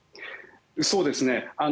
そうですね。